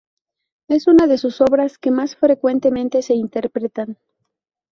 Es una de sus obras que más frecuentemente se interpretan.